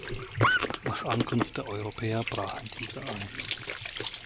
Nach Ankunft der Europäer brachen diese ein.